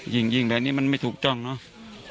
ยิ่งแบบนี้มันไม่ถูกต้องเนอะ